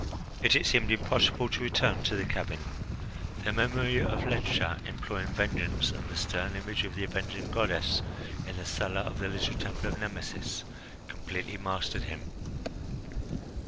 Yet it seemed impossible to return to the cabin; the memory of Ledscha imploring vengeance, and the stern image of the avenging goddess in the cella of the little Temple of Nemesis, completely mastered him.